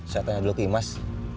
saya tanya dulu ke i mas